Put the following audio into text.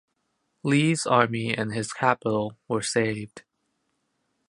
Lee's army and his capital were saved.